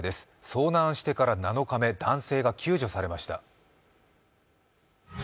遭難してから７日目に男性が救助されました。